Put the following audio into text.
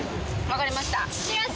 分かりました。